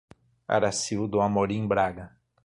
Aracildo Amorim Braga